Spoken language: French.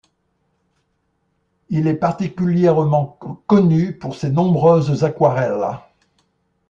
Il est particulièrement connu pour ses nombreuses aquarelles.